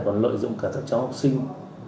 còn lợi dụng cả các cháu học sinh